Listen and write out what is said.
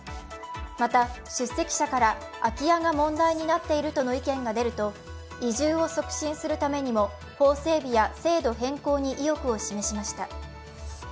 また出席者から、空き家が問題になっているとの意見が出ると移住を促進するためにも法整備や制度変更に意欲を示しました。